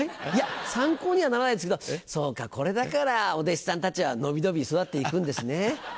いや参考にはならないですけどそうかこれだからお弟子さんたちは伸び伸び育って行くんですね。